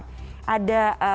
ada bagi bagi ribuan tiket